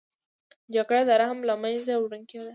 جګړه د رحم له منځه وړونکې ده